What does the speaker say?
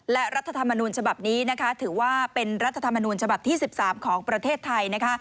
และรัฐธรรมนูญฉบับนี้นะคะถือว่าเป็นรัฐธรรมนูญฉบับที่๑๓ของประเทศไทยนะคะ